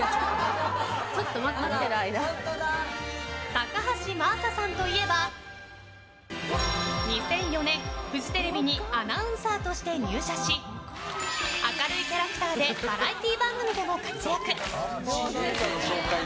高橋真麻さんといえば２００４年、フジテレビにアナウンサーとして入社し明るいキャラクターでバラエティー番組でも活躍。